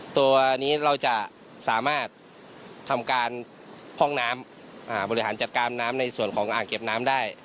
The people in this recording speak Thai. ตัวนี้เราจะสามารถทำการพร่องน้ำบริหารจัดการน้ำในส่วนของอ่างเก็บน้ำได้